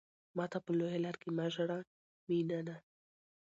ماته په لويه لار کې مه ژاړه ميننه